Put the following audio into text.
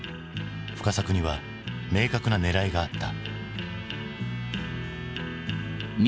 深作には明確なねらいがあった。